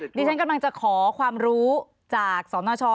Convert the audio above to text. อ๋อไม่ได้ค่ะดิฉันกำลังจะขอความรู้จากสรรค์นช